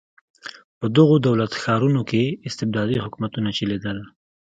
په دغو دولت ښارونو کې استبدادي حکومتونه چلېدل.